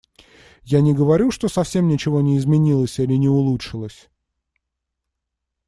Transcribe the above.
Я не говорю, что совсем ничего не изменилось или не улучшилось.